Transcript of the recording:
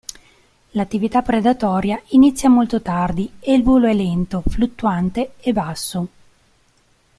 L'attività predatoria inizia molto tardi e il volo è lento, fluttuante e basso.